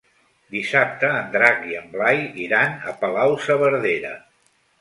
Dissabte en Drac i en Blai iran a Palau-saverdera.